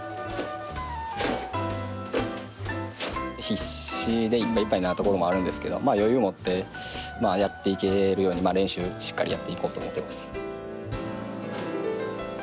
必死でいっぱいいっぱいなところもあるんですけど余裕を持ってやっていけるように練習しっかりやっていこうと思ってます。